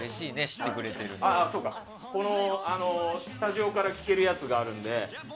スタジオから聞けるやつがあるので。